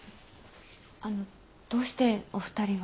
あのどうしてお二人は。